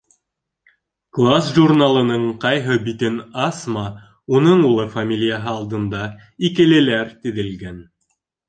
Класс журналының ҡайһы битен асма - уның улы фамилияһы алдында «икеле»ләр теҙелгән.